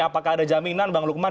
apakah ada jaminan bang lukman